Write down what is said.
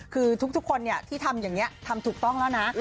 คือทุกคนที่ทำอย่างนี้ทำถูกต้องแล้วนะ